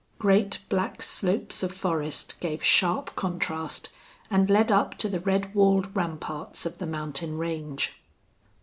Great black slopes of forest gave sharp contrast, and led up to the red walled ramparts of the mountain range.